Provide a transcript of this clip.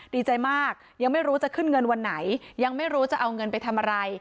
ดีใจมากยังไม่รู้จะขึ้นเงินวันไหนยังไม่รู้จะเอาเงินไปทำอะไร